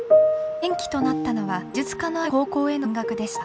転機となったのは美術科のある高校への進学でした。